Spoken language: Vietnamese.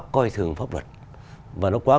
coi thường pháp luật và nó quá